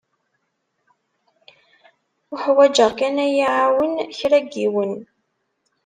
Uḥwaǧeɣ kan ad yi-iɛawen kra n yiwen.